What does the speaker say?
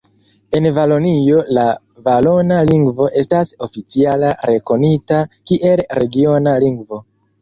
En Valonio la valona lingvo estas oficiala rekonita kiel regiona lingvo.